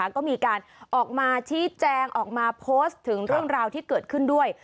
ก็มีการออกมาชี้แจงออกมาโพสต์ถึงเรื่องราวที่เกิดขึ้นด้วย